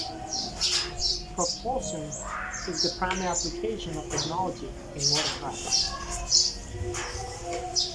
Propulsion is the primary application of technology in watercraft.